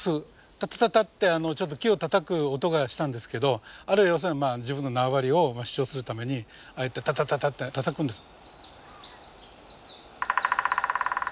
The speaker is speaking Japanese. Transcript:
タタタタってちょっと木をたたく音がしたんですけどあれは要するに自分の縄張りを主張するためにああやってタタタタってたたくんです。